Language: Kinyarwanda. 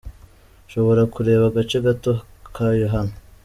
Ushobora kureba agace gato kayo hano:.